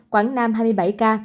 quảng nam hai mươi bảy ca